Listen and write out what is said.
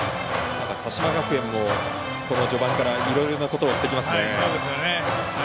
ただ鹿島学園も、この序盤からいろいろなことをしてきますね。